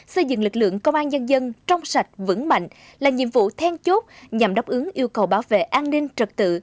xây dựng lực lượng công an nhân dân trong sạch vững mạnh là nhiệm vụ then chốt nhằm đáp ứng yêu cầu bảo vệ an ninh trật tự